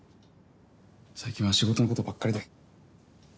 最近は仕事のことばっかりで。